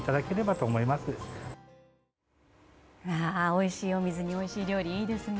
おいしいお水においしい料理いいですね。